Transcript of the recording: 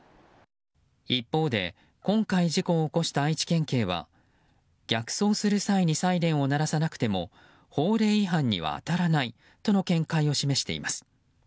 一方で、今回事故を起こした愛知県警は逆走する際にサイレンを鳴らさなくても法令違反には当たらないとの見解を示しています。